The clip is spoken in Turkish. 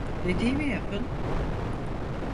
Dediğimi yapın!